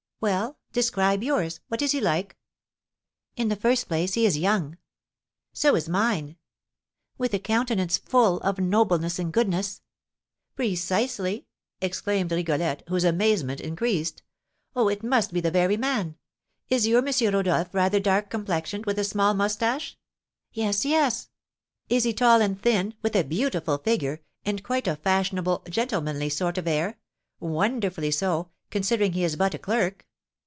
"Well, describe yours. What is he like?" "In the first place, he is young." "So is mine." "With a countenance full of nobleness and goodness." "Precisely," exclaimed Rigolette, whose amazement increased. "Oh, it must be the very man! Is your M. Rodolph rather dark complexioned, with a small moustache?" "Yes, yes." "Is he tall and thin, with a beautiful figure, and quite a fashionable, gentlemanly sort of air, wonderfully so, considering he is but a clerk?